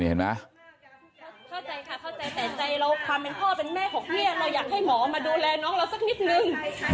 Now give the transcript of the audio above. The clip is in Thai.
นี่เห็นไหม